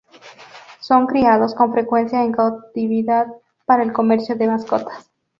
Son criados con frecuencia en cautividad para el comercio de mascotas.